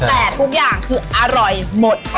แต่ทุกอย่างคืออร่อยหมด